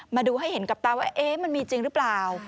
มาดูให้เห็นกับตาว่ามันมีจริงหรือเปล่า